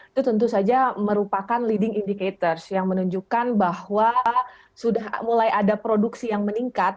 itu tentu saja merupakan leading indicators yang menunjukkan bahwa sudah mulai ada produksi yang meningkat